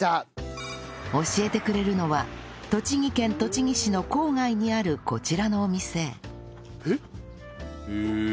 教えてくれるのは栃木県栃木市の郊外にあるこちらのお店えっ？ええ？